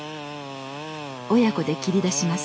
親子で切り出します。